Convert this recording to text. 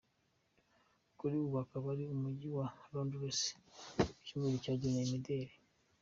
Kuri ubu akaba ari mu mujyi wa Londres, mu cyumweru cyagenewe imideri.